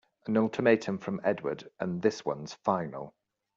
An ultimatum from Edward and this one's final!